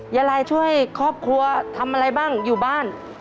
ยายลายช่วยครอบครัวทำอะไรบ้างอยู่บ้าน